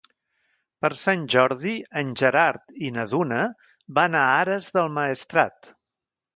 Per Sant Jordi en Gerard i na Duna van a Ares del Maestrat.